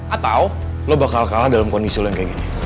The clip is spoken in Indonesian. atau lo bakal kalah dalam kondisi lo yang kayak gini